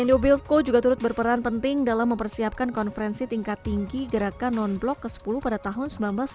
indo buildco juga turut berperan penting dalam mempersiapkan konferensi tingkat tinggi gerakan non blok ke sepuluh pada tahun seribu sembilan ratus sembilan puluh